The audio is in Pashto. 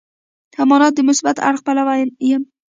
اما د مثبت اړخ پلوی یې یم.